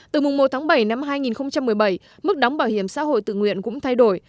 từ mùng một tháng bảy năm hai nghìn một mươi bảy mức đóng bảo hiểm xã hội tự nguyện cũng thay đổi